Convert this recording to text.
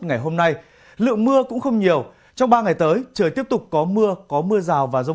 ngày hôm nay lượng mưa cũng không nhiều trong ba ngày tới trời tiếp tục có mưa có mưa rào và rông